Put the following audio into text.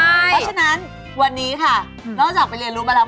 เพราะฉะนั้นวันนี้ค่ะนอกจากไปเรียนรู้กันแล้ว